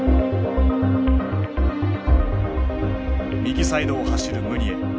右サイドを走るムニエ。